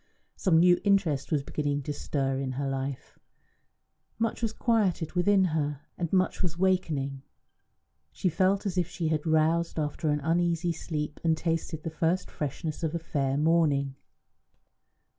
Some new interest was beginning to stir in her life; much was quieted within her, and much was wakening. She felt as if she had roused after an uneasy sleep and tasted the first freshness of a fair morning.